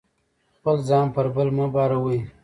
خپل ځان پر بل مه باروئ.